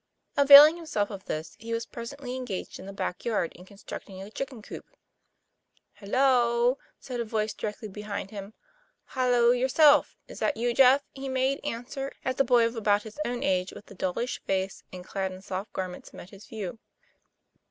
Availing himself of this, he was presently engaged in the back yard in constructing a chicken coop. 'Halloa!" said a voice directly behind him. ' Halloa yourself ; is that you, Jeff?" he made answer, as a boy of about his own age, with a dollish face, and clad in soft garments, met his view.